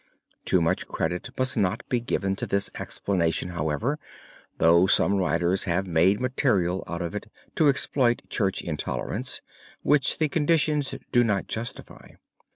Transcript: Too much credit must not be given to this explanation, however, though some writers have made material out of it to exploit Church intolerance, which the conditions do not justify.